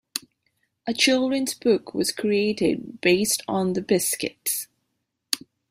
A children's book was created based on "The Biskitts".